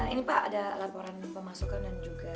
ini pak ada laporan pemasukan dan juga